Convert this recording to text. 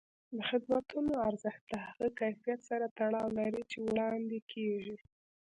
د خدمتونو ارزښت د هغه کیفیت سره تړاو لري چې وړاندې کېږي.